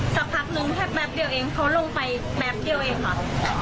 สักพักนึงแค่แป๊บเดียวเองเขาลงไปแป๊บเดียวเองค่ะ